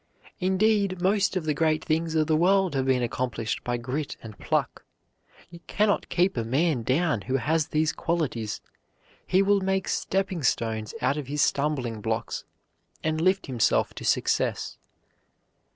Indeed, most of the great things of the world have been accomplished by grit and pluck. You can not keep a man down who has these qualities. He will make stepping stones out of his stumbling blocks, and lift himself to success.